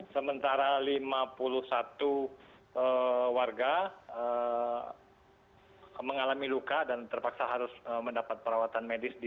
sementara lima puluh satu warga mengalami luka dan terpaksa harus mendapat perawatan medis di